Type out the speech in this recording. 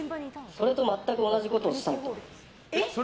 それと同じことをしたい？